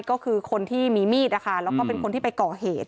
ก็คือคนที่มีมีดนะคะแล้วก็เป็นคนที่ไปก่อเหตุ